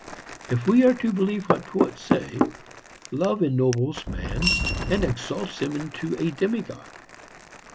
If we are to believe what poets say, love ennobles man and exalts him into a demigod.